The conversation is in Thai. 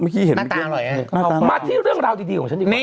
เมื่อกี้เห็นเมื่อกี้หน้าตาอร่อยอ่ะหน้าตาอร่อยมาที่เรื่องราวดีดีของฉันดีกว่า